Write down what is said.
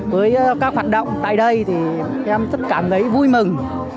với các hoạt động tại đây thì em rất cảm thấy vui mừng